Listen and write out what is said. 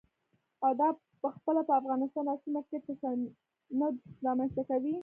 او دا پخپله په افغانستان او سیمه کې تشنج رامنځته کوي.